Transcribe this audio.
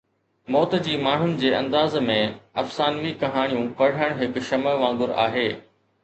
موت جي ماڻهن جي انداز ۾، افسانوي ڪهاڻيون پڙهڻ هڪ شمع وانگر آهي